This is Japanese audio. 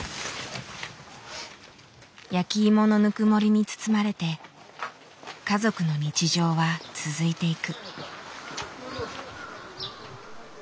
焼きいものぬくもりに包まれて家族の日常は続いていく。